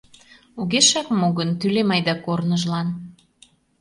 Огешак му гын, тӱлем айда корныжлан.